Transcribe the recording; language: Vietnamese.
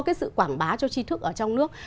cái sự quảng bá cho chi thức ở trong nước